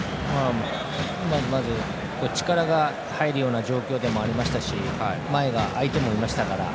まずまず力が入るような状況でもありましたし前が空いてもいましたから。